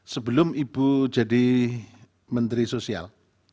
sebelum ibu jadi menteri sosial